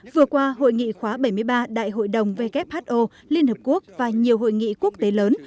vừa qua hội nghị khóa bảy mươi ba đại hội đồng who liên hợp quốc và nhiều hội nghị quốc tế lớn